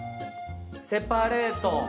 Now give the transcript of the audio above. セパレート。